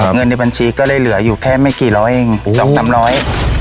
เงินในบัญชีก็เลยเหลืออยู่แค่ไม่กี่ร้อยเองดอกสามร้อย